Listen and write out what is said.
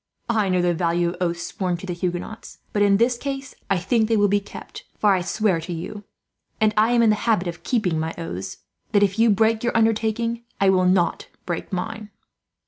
I know the value of oaths sworn to Huguenots; but in this case, I think they will be kept, for I swear to you and I am in the habit of keeping my oaths that if you break your undertaking, I will not break mine."